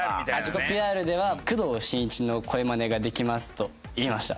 自己ＰＲでは「工藤新一の声マネができます」と言いました。